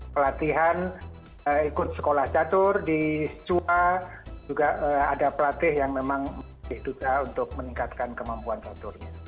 pelatihan ikut sekolah catur di shua juga ada pelatih yang memang diduga untuk meningkatkan kemampuan caturnya